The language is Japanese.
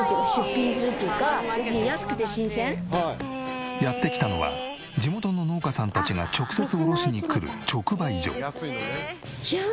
要するにやって来たのは地元の農家さんたちが直接卸しにくる直売所。